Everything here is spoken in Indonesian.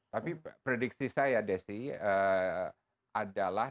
tapi prediksi saya desi adalah